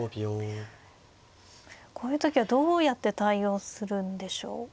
こういう時はどうやって対応するんでしょう。